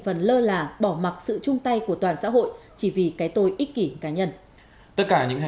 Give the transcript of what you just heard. và lựa chức năng như vậy là đúng